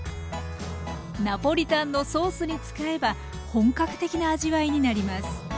ナポリタンのソースに使えば本格的な味わいになります。